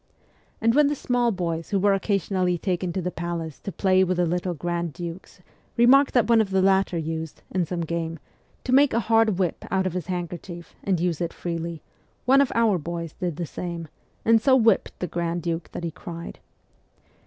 And when the small boys who were occasionally taken to the palace to play with the little grand dukes remarked that one of the latter used, in some game, to make a hard whip out of his handkerchief, and use it freely, one of our boys did the same, and so whipped the grand duke that he cried.